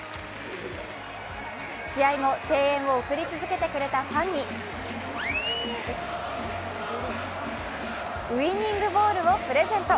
試合後、声援を送り続けてくれたファンにウイニングボールをプレゼント。